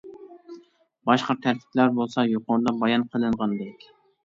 باشقا تەرتىپلەر بولسا يۇقىرىدا بايان قىلىنغاندەك.